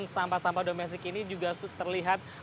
sampah sampah domestik ini juga terlihat